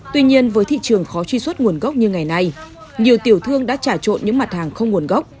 tuy nhiên với thị trường khó truy xuất nguồn gốc như ngày nay nhiều tiểu thương đã trả trộn những mặt hàng không nguồn gốc